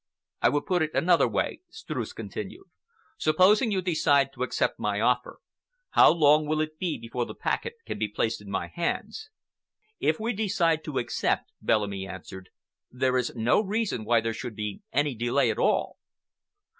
"I will put it another way," Streuss continued. "Supposing you decide to accept my offer, how long will it be before the packet can be placed in my hands?" "If we decide to accept," Bellamy answered, "there is no reason why there should be any delay at all."